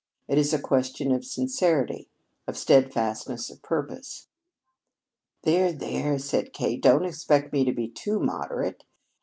It is a question of sincerity of steadfastness of purpose." "There, there," said Kate, "don't expect me to be too moderate.